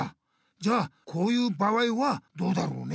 じゃあこういう場合はどうだろうね？